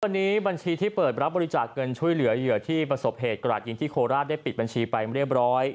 วันนี้บัญชีที่เปิดรับบริจาคเงินช่วยเหลือเหยื่อที่ประสบเหตุกระดาษยิงที่โคราชได้ปิดบัญชีไปเรียบร้อย